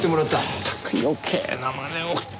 まったく余計なまねを。